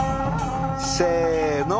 せの。